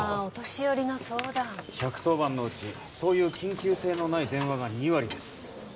お年寄りの相談１１０番のうちそういう緊急性のない電話が２割です